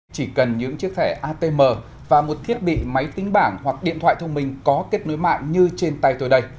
chỉ cần những chiếc thẻ atm và một thiết bị máy tính bảng hoặc điện thoại thông minh có kết nối mạng như trên tay tôi đây